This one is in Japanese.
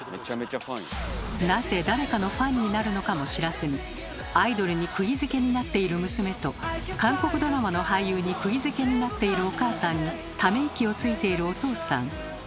なぜ誰かのファンになるのかも知らずにアイドルにくぎづけになっている娘と韓国ドラマの俳優にくぎづけになっているお母さんにため息をついているお父さん。